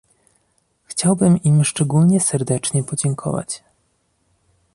Chciałbym im szczególnie serdecznie podziękować